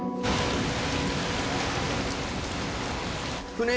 船